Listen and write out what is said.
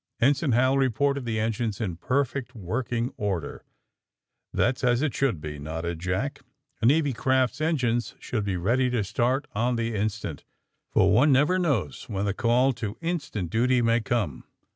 Ensign Hal reported the engines in perfect working order. *^ That's as it should be/' nodded Jack. ^^A Navy craft's engines should be ready to start on the instant, for one never knows when the call to instant duty may come."